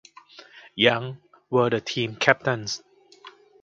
Young were the team captains.